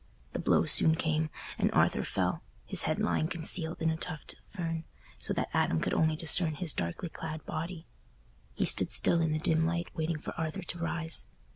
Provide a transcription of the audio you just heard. The blow soon came, and Arthur fell, his head lying concealed in a tuft of fern, so that Adam could only discern his darkly clad body. He stood still in the dim light waiting for Arthur to rise.